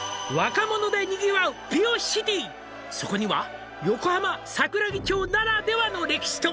「そこには横浜・桜木町ならではの歴史と」